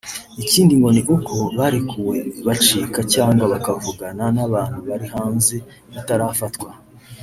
Ikindi ngo ni uko barekuwe bacika cyangwa bakavugana n’abantu bari hanze batarafatwa